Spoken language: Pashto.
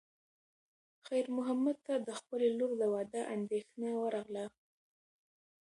خیر محمد ته د خپلې لور د واده اندېښنه ورغله.